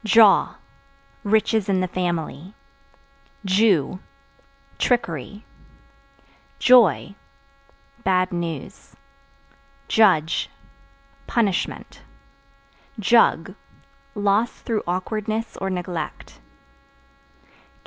Jaw Riches in the family. Jew Trickery. Joy Bad news. Judge Punishment. Jug Loss through awkwardness or neglect.